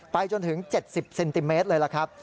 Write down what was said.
จนถึง๗๐เซนติเมตรเลยล่ะครับ